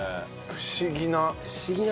不思議な。